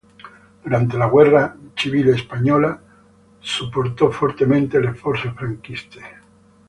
Durante la guerra civile spagnola supportò fortemente le forze franchiste.